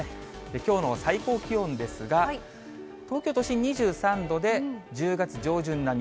きょうの最高気温ですが、東京都心２３度で、１０月上旬並み。